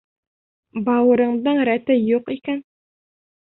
Бауырыңдың рәте юҡ икән.